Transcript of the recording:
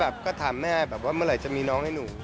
ก็ถามแม่แบบว่าเมื่อไหร่จะมีน้องให้หนู